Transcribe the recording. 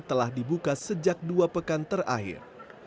telah dibuka sejak dua pekan terakhir